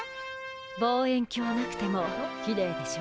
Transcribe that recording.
望遠鏡なくてもきれいでしょ？